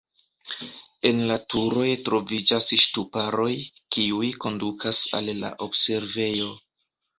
En la turoj troviĝas ŝtuparoj, kiuj kondukas al la observejo.